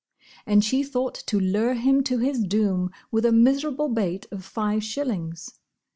And she thought to lure him to his doom with a miserable bait of five shillings.